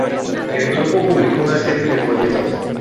El grupo publicó una serie de folletos.